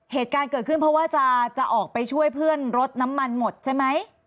เหตุการณ์เกิดขึ้นเพราะว่าจะออกไปช่วยเพื่อนรถน้ำมันหมดใช่ไหม